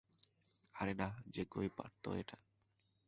আরে না, যে কেউই পারত এটা।